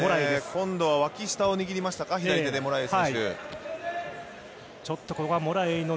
今度は脇下を握りましたか、左手で、モラエイ選手。